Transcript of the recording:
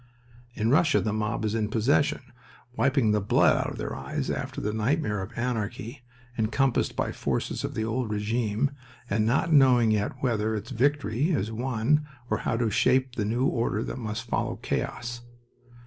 In Russia the mob is in possession, wiping the blood out of their eyes after the nightmare of anarchy, encompassed by forces of the old regime, and not knowing yet whether its victory is won or how to shape the new order that must follow chaos.